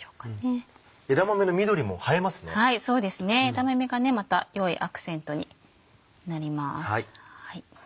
枝豆がまたよいアクセントになります。